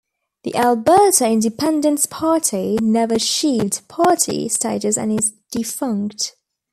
The Alberta Independence Party never achieved party status and is defunct.